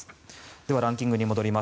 では、ランキングに戻ります。